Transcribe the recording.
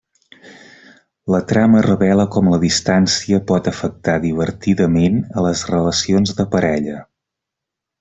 La trama revela com la distància pot afectar divertidament a les relacions de parella.